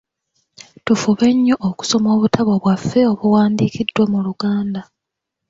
Tufube nnyo okusoma obutabo bwaffe obuwandiikiddwa mu Luganda.